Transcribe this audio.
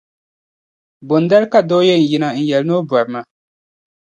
Bondali ka doo yɛn yina n-yɛli ni o bɔrima.